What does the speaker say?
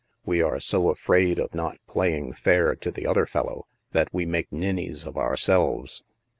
We are so afraid of not playing fair to the other fellow that we make ninnies of ourselves."